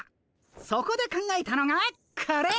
そこで考えたのがこれ。